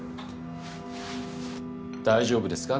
大丈夫ですか？